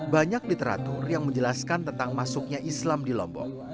banyak literatur yang menjelaskan tentang masuknya islam di lombok